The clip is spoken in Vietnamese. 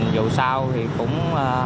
dù sao thì cũng